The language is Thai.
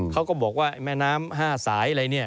เขาก็บอกว่าแม่น้ำ๕สายอะไรเนี่ย